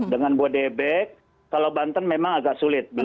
dengan bodebek kalau banten memang agak sulit